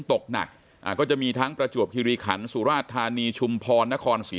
ตกหนักก็จะมีทั้งประจวบคิริขันสุราชธานีชุมพรนครศรี